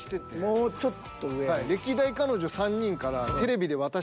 もうちょっと上。